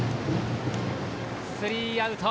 スリーアウト。